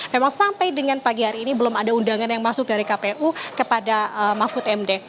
memang sampai dengan pagi hari ini belum ada undangan yang masuk dari kpu kepada mahfud md